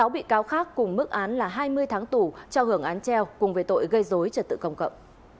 sáu bị cáo khác cùng mức án là hai mươi tháng tù cho hưởng án treo cùng về tội gây dối trật tự công cộng